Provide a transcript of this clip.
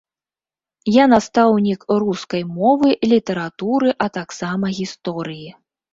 Я настаўнік рускай мовы, літаратуры, а таксама гісторыі.